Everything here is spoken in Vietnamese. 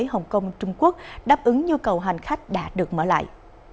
hồng kông trung quốc đáp ứng nhu cầu hành khách đã được mở lại